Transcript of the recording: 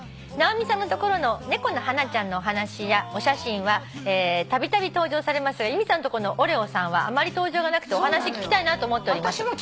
「直美さんの所の猫のハナちゃんのお話やお写真はたびたび登場されますが由美さんのとこのオレオさんはあまり登場がなくてお話聞きたいなと思っております」